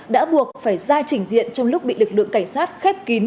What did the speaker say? đã buộc phải ra trình diện trong lúc bị lực lượng cảnh sát khép kín